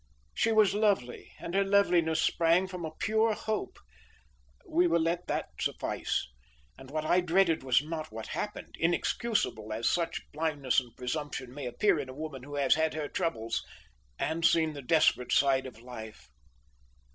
She was lovely and her loveliness sprang from a pure hope. We will let that suffice, and what I dreaded was not what happened, inexcusable as such blindness and presumption may appear in a woman who has had her troubles and seen the desperate side of life.